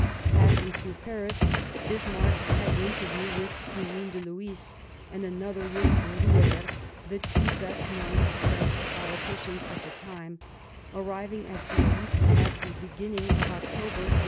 Passing through Paris, Bismarck had an inter view with Drouyn de Lhuys, and another with Rouher, the two best known French politicians at that time, arriving at Biarritz at the beginning of October 1865.